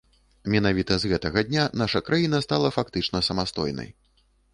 Менавіта з гэтага дня наша краіна стала фактычна самастойнай.